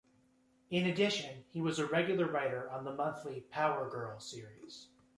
In addition, he was a regular writer on the monthly "Power Girl" series.